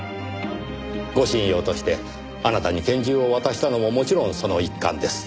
護身用としてあなたに拳銃を渡したのももちろんその一環です。